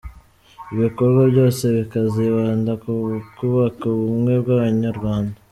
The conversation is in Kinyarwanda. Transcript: Ibikorwa byose bikazibanda ku kubaka ubumwe bw’abanyarwanda.